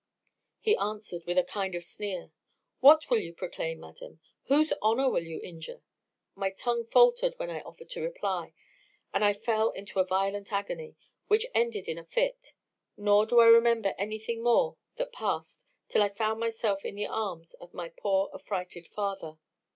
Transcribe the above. He answered, with a kind of sneer, 'What will you proclaim, madam? whose honour will you injure?' My tongue faltered when I offered to reply, and I fell into a violent agony, which ended in a fit; nor do I remember anything more that past till I found myself in the arms of my poor affrighted father.